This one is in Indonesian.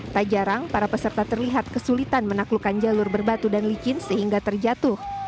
tak jarang para peserta terlihat kesulitan menaklukkan jalur berbatu dan licin sehingga terjatuh